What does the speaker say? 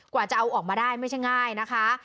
กว่าจะเอาออกมาได้ไม่ใช่ง่ายนะคะ